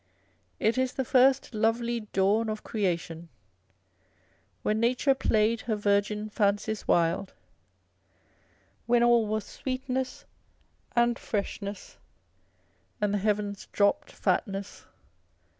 It is the first lovely dawn of creation, when nature played her virgin fancies wild ; when all was sweetness and freshness, and the heavens dropped fatness.